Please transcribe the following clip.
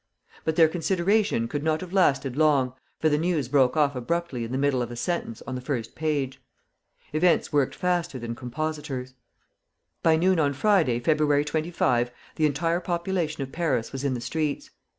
But their consideration could not have lasted long, for the news broke off abruptly in the middle of a sentence on the first page. Events worked faster than compositors. By noon on Friday, February 25, the entire population of Paris was in the streets.